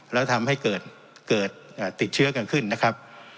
แล้วทำให้เกิดติดเชื้อกันขึ้นนะครับ